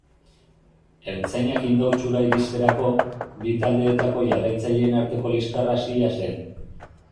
Ertzainak Indautxura iristerako, bi taldeetako jarraitzaileen arteko liskarra hasia zen.